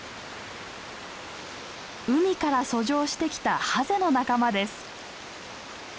海から遡上してきたハゼの仲間です。